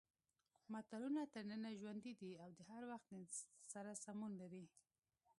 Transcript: متلونه تر ننه ژوندي دي او د هر وخت سره سمون لري